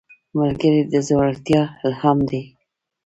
ملګری د زړورتیا الهام دی